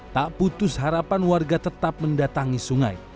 tak putus harapan warga tetap mendatangi sungai